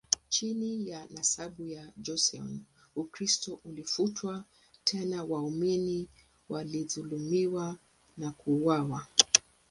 Chini ya nasaba ya Joseon, Ukristo ulifutwa, tena waamini walidhulumiwa na kuuawa.